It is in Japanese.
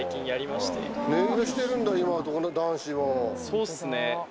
そうっすね。